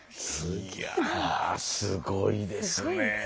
いやすごいですね。